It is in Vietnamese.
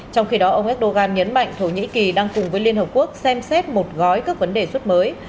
trong khi đó ông erdogan nhấn mạnh thổ nhĩ kỳ đang cùng với liên hợp quốc xem xét một gói các vấn đề xuất mới